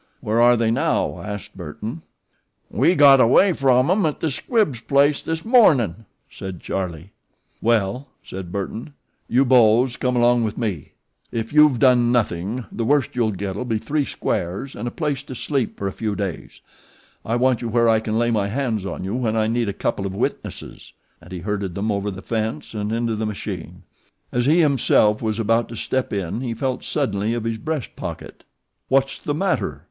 "Where are they now?" asked Burton. "We got away from 'em at the Squibbs' place this mornin'," said Charlie. "Well," said Burton, "you boes come along with me. If you ain't done nothing the worst you'll get'll be three squares and a place to sleep for a few days. I want you where I can lay my hands on you when I need a couple of witnesses," and he herded them over the fence and into the machine. As he himself was about to step in he felt suddenly of his breast pocket. "What's the matter?"